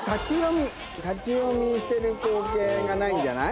立ち読みしてる光景がないんじゃない？